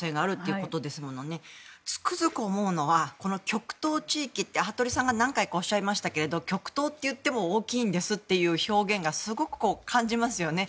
つくづく思うのはこの極東地域って服部さんが何回もおっしゃいましたが極東といっても大きいんですという表現がすごく感じますよね。